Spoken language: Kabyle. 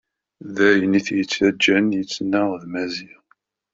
D ayen it-yettaǧǧan yettnaɣ d Maziɣ.